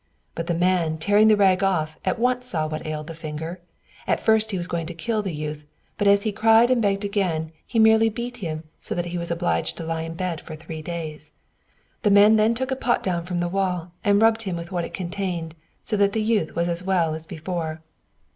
But the man, tearing the rag off, at once saw what ailed the finger. At first he was going to kill the youth, but as he cried and begged again, he merely beat him so that he was obliged to lie in bed for three days. The man then took a pot down from the wall and rubbed him with what it contained, so that the youth was as well as before.